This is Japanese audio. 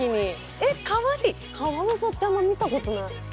えっカワイイカワウソってあんま見たことない。